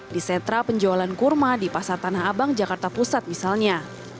di setra penjualan kurma di pasar tanah abang jakarta pusat misalnya